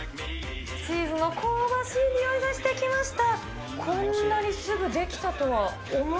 チーズの香ばしい匂いがしてきました。